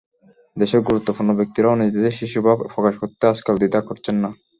দেশের গুরুত্বপূর্ণ ব্যক্তিরাও নিজেদের শিশুভাব প্রকাশ করতে আজকাল দ্বিধা করছেন না।